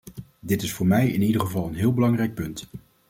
Dit is voor mij in ieder geval een heel belangrijk punt.